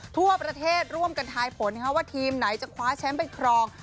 ทั่วประเทศร่วมกันทายผลว่าทีมไหนจะคว้าแชมป์ไปครอง